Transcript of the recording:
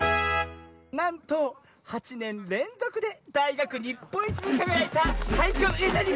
なんと８ねんれんぞくでだいがくにっぽんいちにかがやいたさいきょうなに？